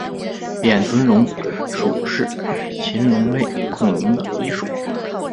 扁臀龙属是禽龙类恐龙的一属。